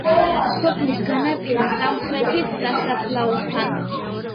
სოფლის განაპირას, სამხრეთით, სასაფლაოსთან.